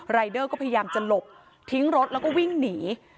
รายเดอร์ก็พยายามจะหลบทิ้งรถแล้วก็วิ่งหนี